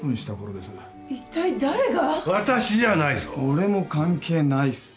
俺も関係ないっす。